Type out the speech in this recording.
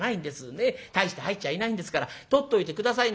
ねえ大して入っちゃいないんですから取っといて下さいな」。